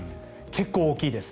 結構、大きいです。